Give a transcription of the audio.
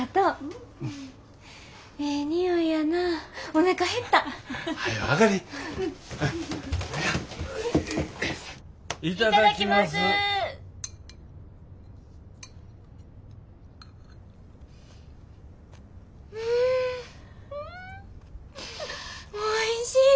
おいしい！